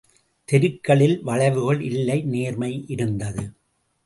தெருக்களில் வளைவுகள் இல்லை நேர்மை இருந்தது.